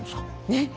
ねっ